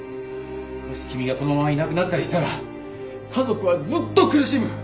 もし君がこのままいなくなったりしたら家族はずっと苦しむ！